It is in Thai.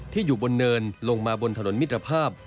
อยู่บนเนินลงมาบนถนนมิตรภาพ